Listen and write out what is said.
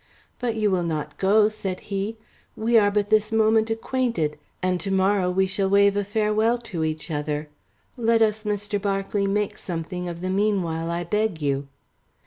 "But you will not go," said he. "We are but this moment acquainted, and to morrow we shall wave a farewell each to the other. Let us, Mr. Berkeley, make something of the meanwhile, I beg you."